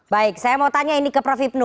baik saya mau tanya ini ke prof hipnu